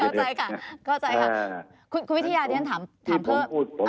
เข้าใจครับคุณวิทยาการเค้าถามเพิ่ม